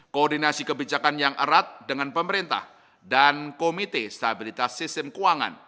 koordinasi kebijakan yang erat dengan pemerintah dan komite stabilitas sistem keuangan